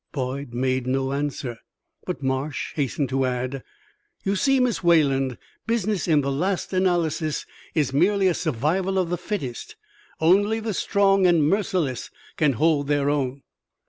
Boyd made no answer, but Marsh hastened to add: "You see, Miss Wayland, business, in the last analysis, is merely a survival of the fittest; only the strong and merciless can hold their own."